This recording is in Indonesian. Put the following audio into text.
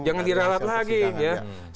jangan diralat lagi ya